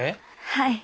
はい。